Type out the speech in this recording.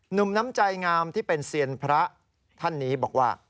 หนุ่มน้ำใจงามที่เป็นเซียนพระท่านนี้บอกว่า